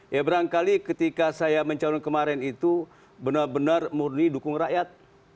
ya berangkali ketika saya mencalon kemarin itu benar benar murni dukung rakyat